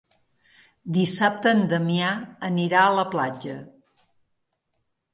Dissabte en Damià irà a la platja.